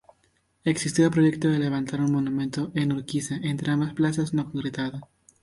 Existió el proyecto de levantar un monumento a Urquiza entre ambas plazas, no concretado.